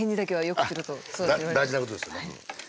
大事なことですよね。